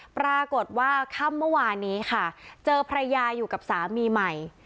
ปรากฏว่าค่ำเมื่อวานนี้ค่ะเจอภรรยาอยู่กับสามีใหม่